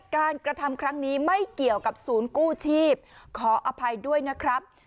การกระทำครั้งนี้ไม่เกี่ยวกับศูนย์กู้ชีพขออภัยด้วยนะครับ